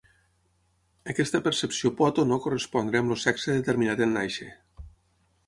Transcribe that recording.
Aquesta percepció pot o no correspondre amb el sexe determinat en nàixer.